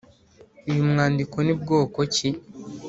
Uyu mwandiko ni bwoko ki?